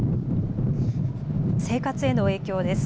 生活への影響です。